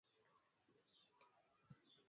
izazi vijavyo visiandamwe na jinamizi la vita